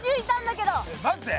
マジで！？